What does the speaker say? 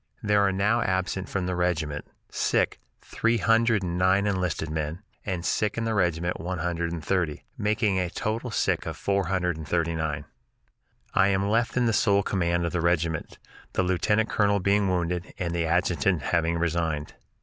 There are now absent from the regiment, sick, three hundred and nine enlisted men, and sick in the regiment one hundred and thirty, making a total sick of four hundred and thirty nine. I am left in sole command of the regiment, the lieutenant colonel being wounded and the adjutant having resigned.